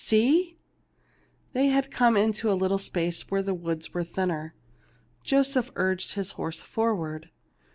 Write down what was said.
see l┬╗ They had come into a little space where the woods were thinner. Joseph urged his horse for ward.